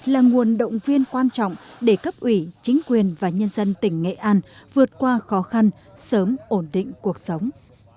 là nguồn động viên quan trọng để cấp ủy chính quyền và nhân dân tỉnh nghệ an vượt qua khó khăn sớm ổn định cuộc sống